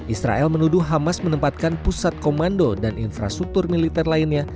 israel menuduh hamas menempatkan pusat komando dan infrastruktur militer lainnya